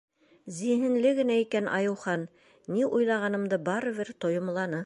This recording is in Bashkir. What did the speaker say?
Зиһенле генә икән Айыухан, ни уйлағанымды барыбер тойомланы.